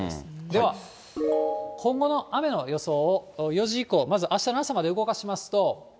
では、今後の雨の予想を、４時以降、まずあしたの朝まで動かしますと。